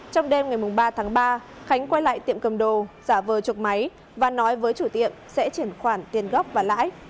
trong đêm ngày ba tháng ba khánh quay lại tiệm cầm đồ giả vờ chuộc máy và nói với chủ tiệm sẽ triển khoản tiền góp và lãi